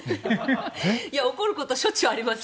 怒ることしょっちゅうありますよ。